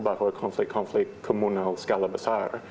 bahwa konflik konflik komunal skala besar